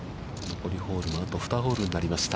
残りホールもあと２ホールになりました。